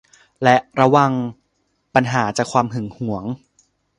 และระวังปัญหาจากความหึงหวง